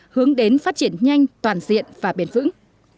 hướng đến phát triển nhanh toàn diện và bền vững